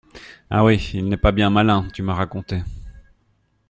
Ah oui, il est pas bien malin, tu m’as raconté.